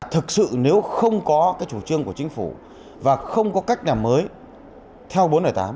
thực sự nếu không có cái chủ trương của chính phủ và không có cách nào mới theo bốn trăm linh tám